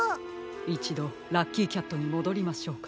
いちどラッキーキャットにもどりましょうか。